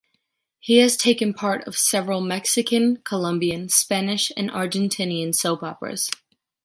He has taken part of several Mexican, Colombian, Spanish and Argentinian soap operas.